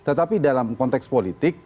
tetapi dalam konteks politik